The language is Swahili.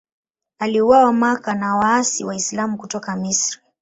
Aliuawa Makka na waasi Waislamu kutoka Misri.